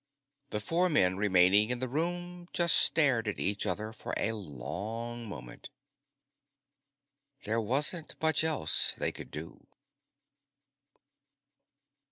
The four men remaining in the room just stared at each other for a long moment. There wasn't much else they could do.